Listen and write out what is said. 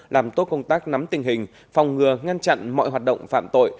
làm tốt công tác nắm tình hình phòng ngừa ngăn chặn mọi hoạt động phạm tội